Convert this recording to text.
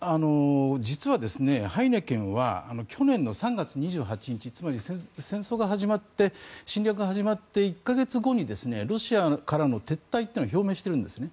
実はハイネケンは去年３月２８日つまり戦争が始まって侵略が始まって１か月後にロシアからの撤退というのを表明しているんですね。